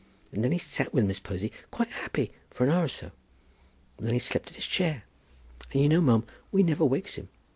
And then he sat with Miss Posy quite happy for an hour or so. And then he slept in his chair; and you know, ma'am, we never wakes him.